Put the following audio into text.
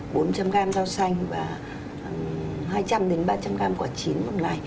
bốn trăm linh gram rau xanh và hai trăm linh ba trăm linh g quả chín một ngày